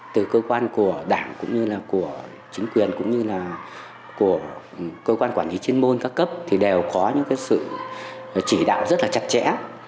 từ cơ quan của đảng cũng như là của chính quyền cũng như là của cơ quan quản lý chuyên môn các cấp thì đều có những sự chỉ đạo rất là chặt chẽ